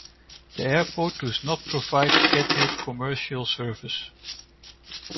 The airport does not provide scheduled commercial service.